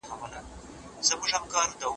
صابون د ماشوم لاس ته مناسب وي.